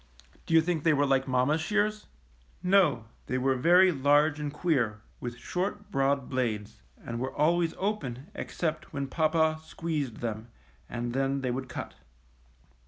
Do you think they were like mamma's shears? No, they were very large and queer, with short, broad blades, and were always open except when papa squeezed them, and then they would cut.